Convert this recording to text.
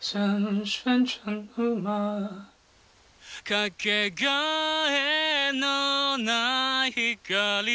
かけがえのない光